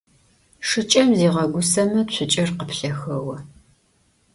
Шыкӏэм зигъэгусэмэ цукӏэр къыплъэхэо.